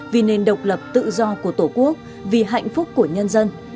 vì nền độc lập tự do của tổ quốc vì hạnh phúc của nhân dân